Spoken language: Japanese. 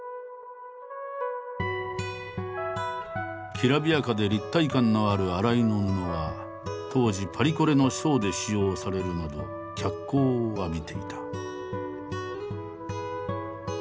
きらびやかで立体感のある新井の布は当時パリコレのショーで使用されるなど脚光を浴びていた。